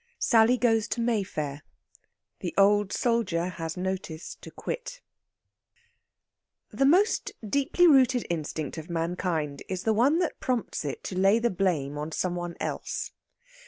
SALLY GOES TO MAYFAIR. THE OLD SOLDIER HAS NOTICE TO QUIT The most deeply rooted instinct of mankind is the one that prompts it to lay the blame on some one else.